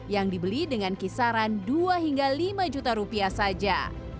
yang dibeli dengan kisaran dua hingga lima juta rupiah saja